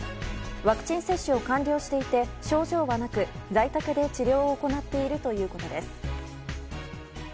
ワクチン接種を完了していて症状はなく在宅で治療を行っているということです。